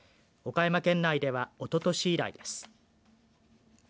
初めてで岡山県内ではおととし以来です。